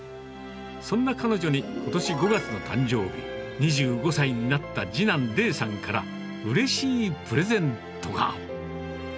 そんな彼女に、ことし５月の誕生日、２５歳になった次男、伶さんからうれしいプレゼントが。